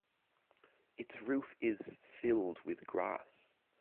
Its roof is filled with grass.